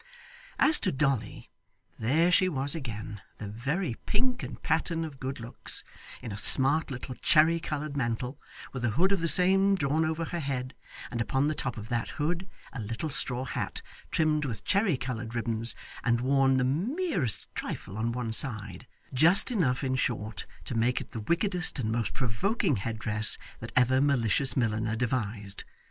As to Dolly, there she was again, the very pink and pattern of good looks, in a smart little cherry coloured mantle, with a hood of the same drawn over her head, and upon the top of that hood, a little straw hat trimmed with cherry coloured ribbons, and worn the merest trifle on one side just enough in short to make it the wickedest and most provoking head dress that ever malicious milliner devised.